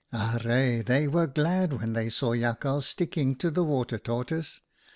"' Arre ! they were glad when they saw Jakhals sticking to the Water Tortoise.